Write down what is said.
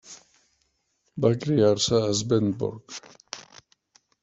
Va criar-se a Svendborg.